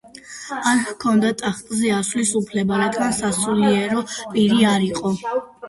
არ ჰქონდა ტახტზე ასვლის უფლება, რადგან სასულიერო პირი არ იყო.